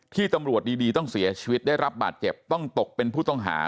ที่ตำรวจดีต้องเสียชีวิตได้รับบาดเจ็บต้องตกเป็นผู้ต้องหา